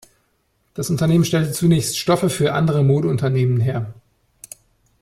Das Unternehmen stellte zunächst Stoffe für andere Modeunternehmen her.